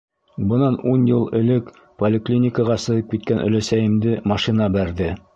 Бынан ун йыл элек поликлиникаға сығып киткән өләсәйемде машина бәрҙе.